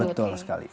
ya betul sekali